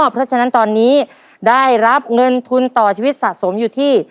เพราะฉะนั้นตอนนี้ได้รับเงินทุนต่อชีวิตสะสมอยู่ที่